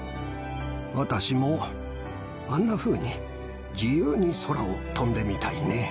私もあんなふうに自由に空を飛んでみたいね。